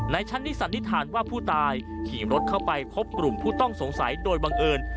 ชั้นนี้สันนิษฐานว่าผู้ตายขี่รถเข้าไปพบกลุ่มผู้ต้องสงสัยโดยบังเอิญ